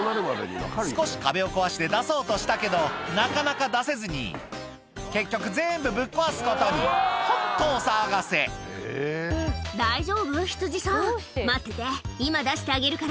少し壁を壊して出そうとしたけどなかなか出せずに結局全部ぶっ壊すことにホントお騒がせ「大丈夫？羊さん待ってて今出してあげるから」